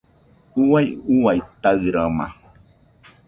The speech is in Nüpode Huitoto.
Uai uitaɨrama